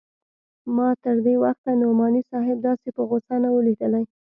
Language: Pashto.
ما تر دې وخته نعماني صاحب داسې په غوسه نه و ليدلى.